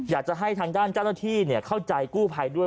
อยากจะให้ทางด้านเจ้าหน้าที่เข้าใจกู้ภัยด้วย